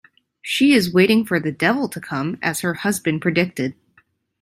She is waiting for the devil to come, as her husband predicted.